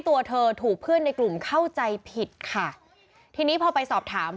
ตัวเธอถูกเพื่อนในกลุ่มเข้าใจผิดค่ะทีนี้พอไปสอบถาม